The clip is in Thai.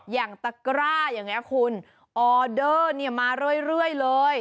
อย่างตะกร้าอย่างนี้คุณออเดอร์มาเรื่อยเลย